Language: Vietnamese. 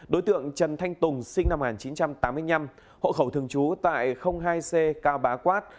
đối tượng trần thanh tùng sinh năm một nghìn chín trăm tám mươi năm hộ khẩu thường trú tại hai c cao bá quát